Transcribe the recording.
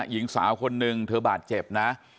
หญิงสาวคนนึงเธอบาดเจ็บนะ